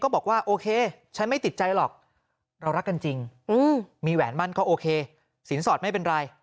บอกว่าโอเคฉันไม่ติดใจหรอกเรารักกันจริงมีแหวนมั่นก็โอเคสินสอดไม่เป็นไร